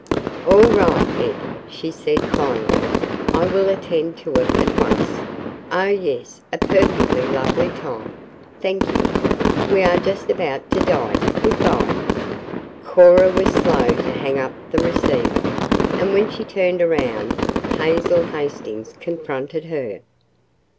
"All right, Ed," she said finally. "I will attend to it at once. Oh, yes, a perfectly lovely time. Thank you we are just about to dine. Good by." Cora was slow to hang up the receiver. And when she turned around Hazel Hastings confronted her.